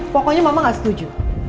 pokoknya mama gak setuju